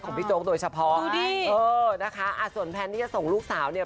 พี่โจ๊กโดยเฉพาะนะคะอ่าส่วนแพลนที่จะส่งลูกสาวเนี่ย